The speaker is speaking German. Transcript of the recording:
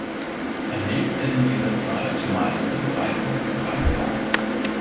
Er lebte in dieser Zeit meist in Freiburg im Breisgau.